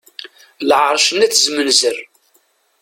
Lɛerc n At zmenzer.